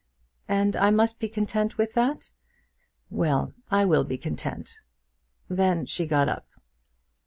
"And I must be content with that? Well: I will be content." Then she got up.